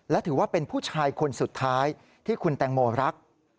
และถือว่าเป็นผู้ชายคนสุดท้ายที่คุณแตงโมรัก